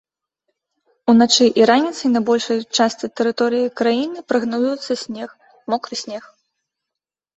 Уначы і раніцай на большай частцы тэрыторыі краіны прагназуецца снег, мокры снег.